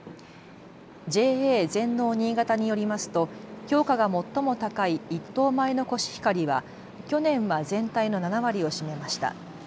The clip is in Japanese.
ＪＡ全農にいがたによりますと評価が最も高い１等米のコシヒカリは去年は全体の７割を占めました。